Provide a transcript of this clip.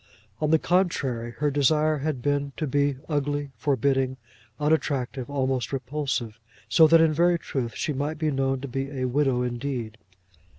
On the contrary, her desire had been to be ugly, forbidding, unattractive, almost repulsive; so that, in very truth, she might be known to be a widow indeed.